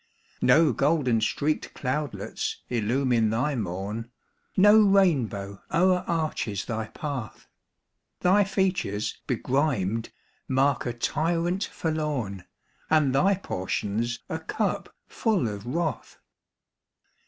No golden streaked cloudlets illumine thy morn, No rainbow o'er arches thy path, Thy features begrimed mark a tyrant forlorn, And thy portion's a cup full of wrath.